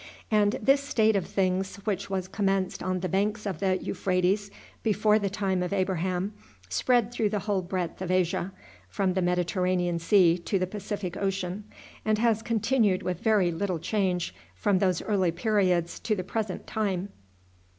And this state of things, which was commenced on the banks of the Euphrates before the time of Abraham, spread through the whole breadth of Asia, from the Mediterranean Sea to the Pacific Ocean, and has continued with very little change from those early periods to the present time.